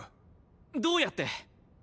どうやって？